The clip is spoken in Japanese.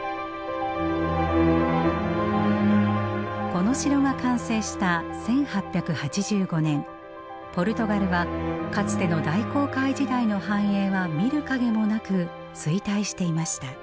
この城が完成した１８８５年ポルトガルはかつての大航海時代の繁栄は見る影もなく衰退していました。